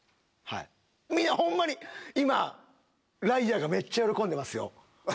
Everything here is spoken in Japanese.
みんなホンマに今ライアーが喜んでますよ。